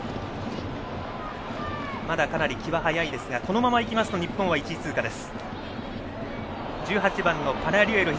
まだかなり気は早いですがこのままいくと日本は１位通過です。